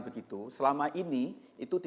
begitu selama ini itu